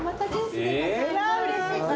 うれしい。